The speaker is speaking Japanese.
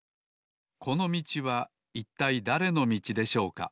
このみちはいったいだれのみちでしょうか？